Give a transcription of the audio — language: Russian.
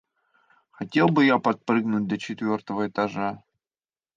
Хотел бы я подпрыгнуть до четвёртого этажа!